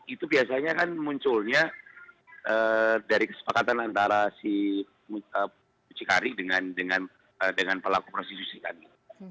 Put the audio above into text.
itu biasanya kan munculnya dari kesepakatan antara si mucikari dengan pelaku prostitusi kami